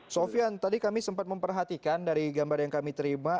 sofian tadi kami sempat memperhatikan dari gambar yang kami terima